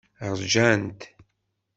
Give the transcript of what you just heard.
Ṛjant.